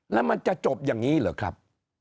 แล้วมันจะจบอย่างนี้เหรอครับ